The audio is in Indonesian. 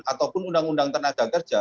ataupun undang undang tenaga kerja